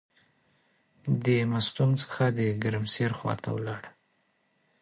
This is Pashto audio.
د مستونګ څخه د ګرمسیر خواته ولاړ.